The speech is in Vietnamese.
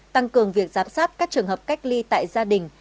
tăng cường việc giám sát các trường hợp cách ly tại gia đình